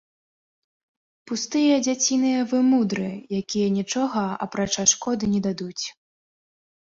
Пустыя дзяціныя вымудры, якія нічога, апрача шкоды, не дадуць.